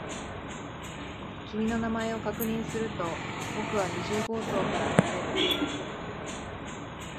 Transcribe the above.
君の名前を確認すると、僕は二十号棟から離れる。